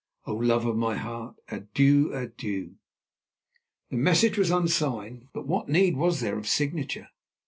Oh! love of my heart, adieu, adieu!" This message was unsigned; but what need was there of signature?